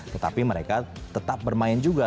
tetapi mereka tetap bermain juga